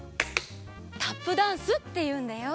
タップダンスっていうんだよ。